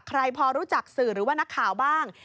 พอรู้จักสื่อหรือว่านักข่าวบ้าง